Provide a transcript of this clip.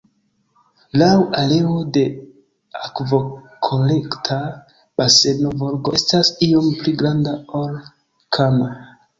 Laŭ areo de akvokolekta baseno Volgo estas iom pli granda ol Kama.